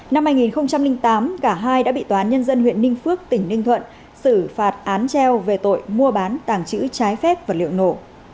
năm hai nghìn tám cả hai đã bị toán nhân dân huyện ninh phước tỉnh ninh thuận xử phạt án treo về tội mua bán tàng trữ trái phép vật liệu nổ